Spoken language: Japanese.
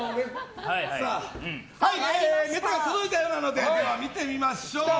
ネタが届いたようなので見てみましょう。